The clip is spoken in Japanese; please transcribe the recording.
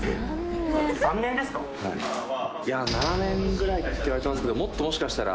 ぐらいって言われてますけどもっともしかしたら。